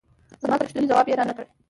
زما د پوښتنې ځواب یې را نه کړ.